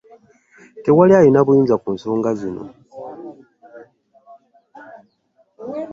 Tewali alina buyinza ku nsonga zino.